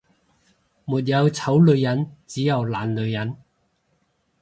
沒有醜女人，只有懶女人